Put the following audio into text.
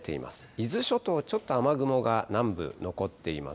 伊豆諸島、ちょっと雨雲が南部、残っています。